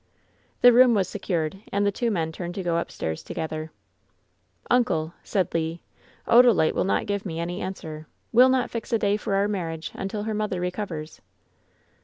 The room was secured, and the two men turned to go upstairs together. "Uncle," said Le, "Odalite will not give me any an 116 WHEN SHADOWS DEE swerl Will not fix a day for our marriage until her mother recovers."